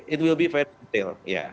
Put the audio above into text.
ini akan sangat detail ya